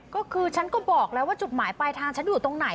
ก็คือฉันก็บอกแล้วว่าจุดหมายปลายทางฉันอยู่ตรงไหน